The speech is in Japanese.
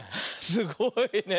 すごいねえ。